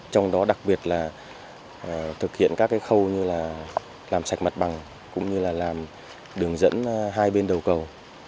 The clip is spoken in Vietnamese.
trong đó đặc biệt là thực hiện các khâu như là làm sạch mặt bằng cũng như là làm đường dẫn hai bên đầu cầu